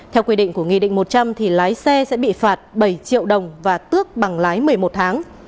theo quy định của nghị định một trăm linh thì lái xe sẽ bị phạt bảy triệu đồng và tước bằng lái một mươi một tháng